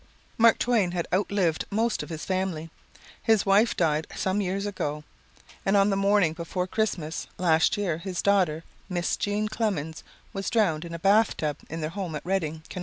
Mark Twain had outlived most of his family. His wife died some years ago and on the morning before Christmas, last year, his daughter, Miss Jean Clemens, was drowned in a bathtub in their home at Redding, Conn.